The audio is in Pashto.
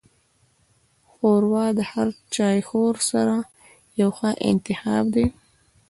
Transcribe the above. ښوروا د هر چایخوړ سره یو ښه انتخاب دی.